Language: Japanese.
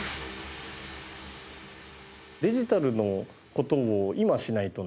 デジタルのことを今しないとね。